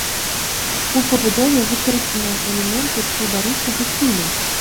У пабудове выкарыстаныя элементы псеўдарускага стылю.